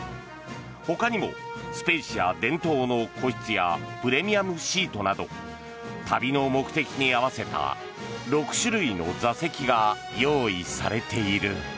ほかにもスペーシア伝統の個室やプレミアムシートなど旅の目的に合わせた６種類の座席が用意されている。